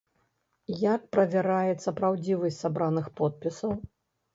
Як правяраецца праўдзівасць сабраных подпісаў?